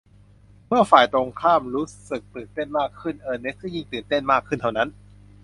เมื่อฝ่ายตรงข้ามรู้สึกตื่นเต้นมากขึ้น เออร์เนสต์ก็ยิ่งตื่นเต้นมากขึ้นเท่านั้น